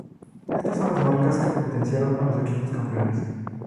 Estas son las marcas que potenciaron a los equipos campeones.